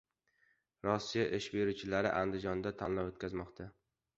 Rossiya ish beruvchilari Andijonda tanlov o‘tkazmoqda